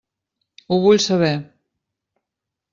Ho vull saber.